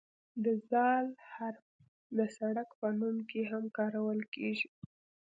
د "ذ" حرف د سړک په نوم کې هم کارول کیږي.